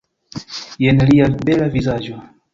Jen lia bela vizaĝo